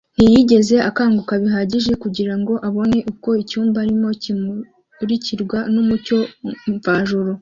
Ntiyigeze akanguka bihagije kugira ngo abone uko icyumba arimo kimurikirwa n’umucyo mvajuru